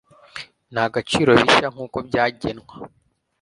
n agaciro bishya nk uko byagenwa